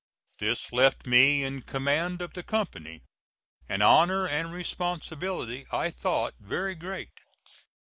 This left me in command of the company, an honor and responsibility I thought very great.